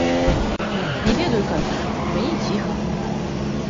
Не ведаю, кажу, у мяне ціха.